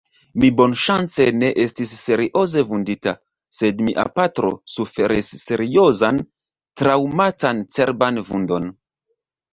Mi bonŝance ne estis serioze vundita, sed mia patro suferis seriozan traŭmatan cerban vundon.